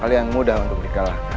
kalian mudah untuk di kalahkan